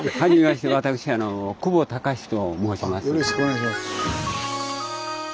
私よろしくお願いします。